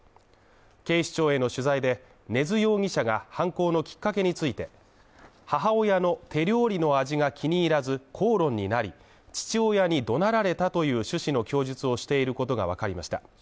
警視庁への取材で根津容疑者が犯行のきっかけについて、母親の手料理の味が気に入らず、口論になり、父親に怒鳴られたという趣旨の供述をしていることがわかりました。